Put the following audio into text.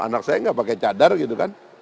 anak saya nggak pakai cadar gitu kan